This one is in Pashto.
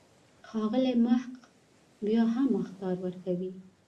ښاغلی محق بیا هم اخطار ورکوي.